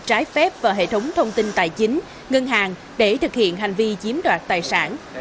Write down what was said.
trái phép vào hệ thống thông tin tài chính ngân hàng để thực hiện hành vi chiếm đoạt tài sản